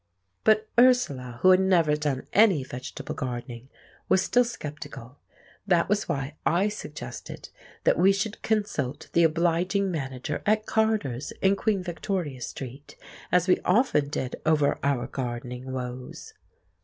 But Ursula, who had never done any vegetable gardening, was still sceptical. That was why I suggested that we should consult the obliging manager at Carter's, in Queen Victoria Street, as we often did over our gardening woes.